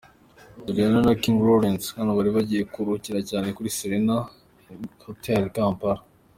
Juliana na King Lawrence hano bari bagiye kuruhukira kuri Serena Hotel i Kampala.